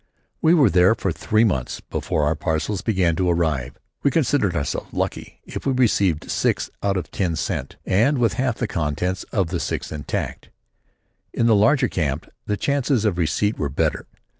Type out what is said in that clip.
We were there for three months before our parcels began to arrive. We considered ourselves lucky if we received six out of ten sent, and with half the contents of the six intact. In the larger camps the chances of receipt were better.